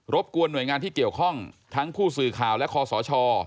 บกวนหน่วยงานที่เกี่ยวข้องทั้งผู้สื่อข่าวและคอสช